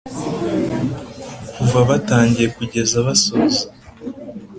kuva batangiye kugeza basoza